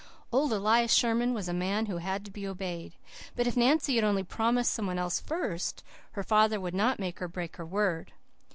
Old Elias Sherman was a man who had to be obeyed. But if Nancy had only promised some one else first her father would not make her break her word.